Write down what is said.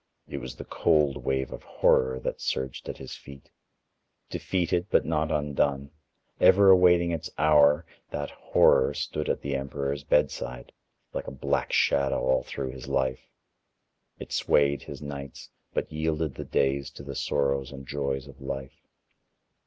It was the cold wave of Horror that surged at his feet. Defeated, but not undone, ever awaiting its hour, that Horror stood at the emperor's bedside, like a black shadow all through his life; it swayed his nights, but yielded the days to the sorrows and joys of life.